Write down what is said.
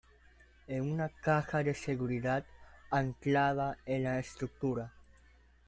en una caja de seguridad anclada en la estructura.